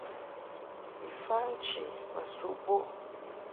Bi fa nchi ma suʼ bo.